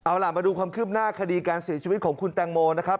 เอาล่ะมาดูความคืบหน้าคดีการเสียชีวิตของคุณแตงโมนะครับ